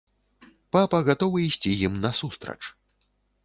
Папа гатовы ісці ім насустрач.